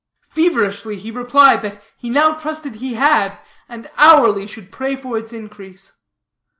Feverishly he replied that he now trusted he had, and hourly should pray for its increase.